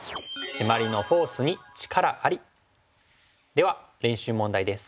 では練習問題です。